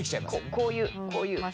こういうこういうまあ